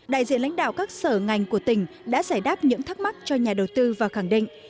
đại diện lãnh đạo các sở ngành của tỉnh đã giải đáp những thắc mắc cho nhà đầu tư và khẳng định